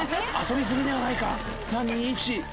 「遊び過ぎではないか？